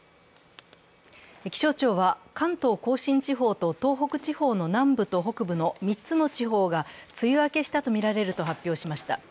気象庁は関東甲信地方と東北地方の南部と北部の３つの地方が梅雨明けしたとみられると発表しました。